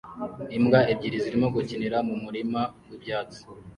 Imbwa ebyiri zirimo gukinira mu murima wibyatsi